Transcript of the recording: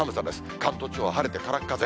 関東地方、晴れて、からっ風。